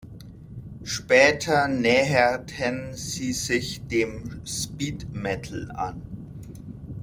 Später näherten sie sich dem Speed Metal an.